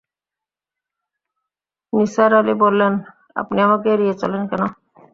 নিসার আলি বললেন, আপনি আমাকে এড়িয়ে চলেন কেন?